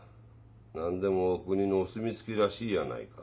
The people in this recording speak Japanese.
何でもお国のお墨付きらしいやないか。